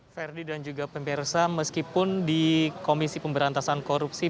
ferdi dan juga pemirsa meskipun di komisi pemberantasan korupsi